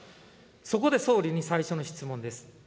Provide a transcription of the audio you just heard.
そこで総理に最初の質問です。